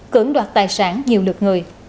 cưỡng đoạt tài sản nhiều lượt người